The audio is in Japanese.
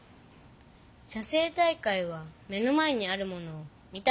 写生大会は目の前にあるものを見た